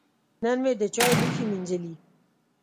نن مې د چای لوښی مینځلي.